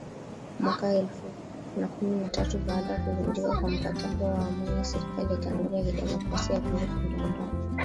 Mwaka elfu na kumi na tatu, baada ya kuvunjika kwa mkataba wa amani na serikali ya Jamuhuri ya Demokrasia ya Kongo, tuliondoka